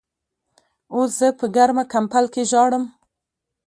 اوس زه په ګرمه کمبل کې ژاړم.